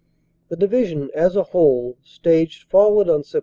"The Division, as a whole, staged forward on Sept.